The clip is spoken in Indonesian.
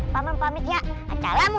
paman pamit ya assalamualaikum